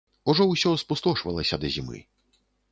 Ужо ўсё спустошвалася да зімы.